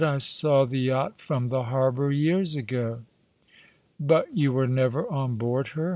"I saw the yacht from the harbour years ago." " But you were never on board her